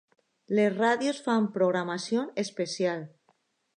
Les ràdios fan programació especial.